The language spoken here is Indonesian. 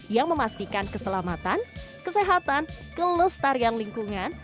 yang memastikan keselamatan kesehatan kelestarian lingkungan